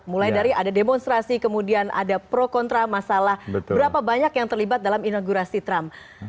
mulai dari ada demonstrasi kemudian ada pro kontra masalah berapa banyak yang terlibat dalam inaugurasi trump